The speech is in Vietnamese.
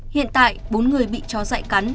hiện tại bốn người bị chó dại cắn